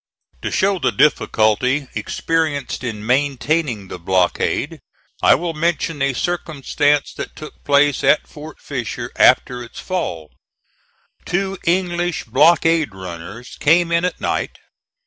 To show the difficulty experienced in maintaining the blockade, I will mention a circumstance that took place at Fort Fisher after its fall. Two English blockade runners came in at night.